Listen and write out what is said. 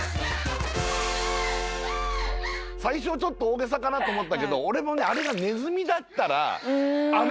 最初ちょっと大げさかなと思ったけど俺もあれがネズミだったらあれぐらい暴れる。